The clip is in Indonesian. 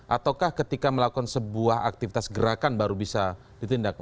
ataukah ketika melakukan sebuah aktivitas gerakan baru bisa ditindak